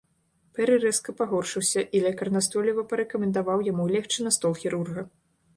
Пэры рэзка пагоршыўся, і лекар настойліва парэкамендаваў яму легчы на стол хірурга.